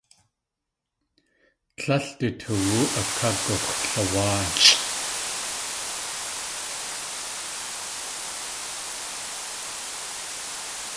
Tlél du toowú akagux̲lawáalʼ.